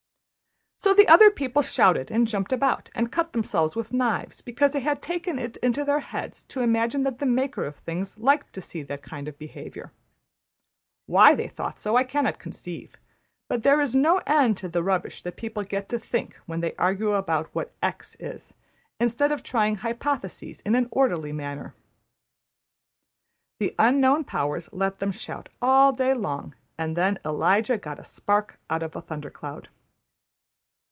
'\,'' So the other people shouted and jumped about, and cut themselves with knives; because they had taken it into their heads to imagine that the Maker of things liked to see that kind of behaviour. Why they thought so I cannot conceive. But there's no end to the rubbish that people get to think when they argue about what X is, instead of trying hypotheses in an orderly manner. The Unknown Powers let them shout all day long; and then Elijah got a spark out of a thundercloud.